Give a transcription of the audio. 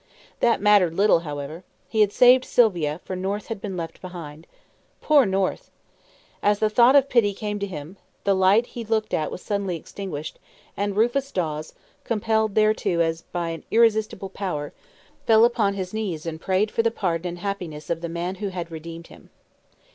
That mattered little, however. He had saved Sylvia, for North had been left behind. Poor North! As the thought of pity came to him, the light he looked at was suddenly extinguished, and Rufus Dawes, compelled thereto as by an irresistible power, fell upon his knees and prayed for the pardon and happiness of the man who had redeemed him.